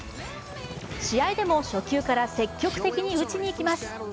試合でも初球から積極的に打ちにいきます。